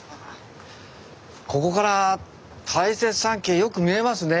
ここから大雪山系よく見えますね。